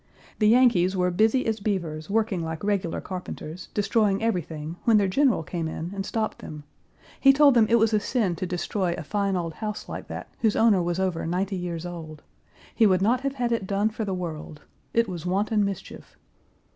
The Yankees were busy as beavers, working like regular carpenters, destroying everything when their general came in and stopped Page 387 them. He told them it was a sin to destroy a fine old house like that, whose owner was over ninety years old. He would not have had it done for the world. It was wanton mischief.